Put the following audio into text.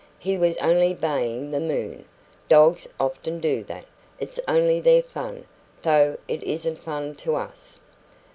He was only baying the moon. Dogs often do that. It's only their fun though it isn't fun to us."